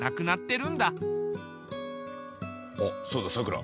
あっそうださくら。